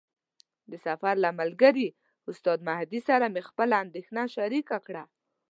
د سفر له ملګري استاد مهدي سره مې خپله اندېښنه شریکه کړه.